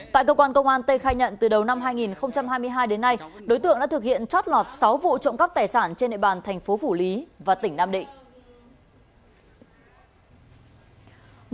tại cơ quan công an tê khai nhận từ đầu năm hai nghìn hai mươi hai đến nay đối tượng đã thực hiện chót lọt sáu vụ trộm cắp tài sản trên địa bàn thành phố phủ lý và tỉnh nam định